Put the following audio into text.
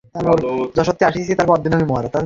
ধন্যবাদ স্যার তাদের হঠাত অন্যত্র নিয়ে যাওয়া হচ্ছে কেনো?